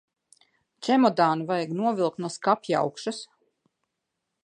Čemodānu vajag novilkt no skapjaugšas.